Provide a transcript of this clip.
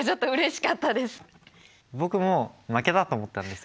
僕も負けたと思ったんですよ。